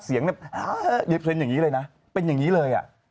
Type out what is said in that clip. เสียงเย็บเซ็นต์อย่างนี้เลยนะเป็นอย่างนี้เลย